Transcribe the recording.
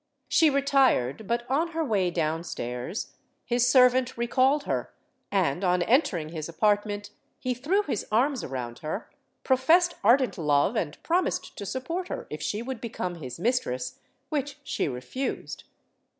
She retired but, on her way down stairs, his servant recalled her and, on entering his apartment, he threw his arms around her, professed ardent love and promised to support her if she would become his mistress, which she refused.